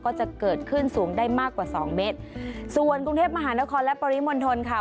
ก็จะเกิดขึ้นสูงได้มากกว่าสองเมตรส่วนกรุงเทพมหานครและปริมณฑลค่ะ